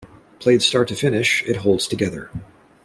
Played start to finish, it holds together.